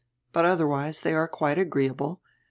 But otherwise they are quite agreeahle.